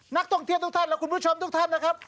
นักท่องเที่ยวทุกท่านและคุณผู้ชมทุกท่านนะครับ